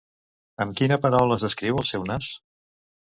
Amb quina paraula es descriu el seu nas?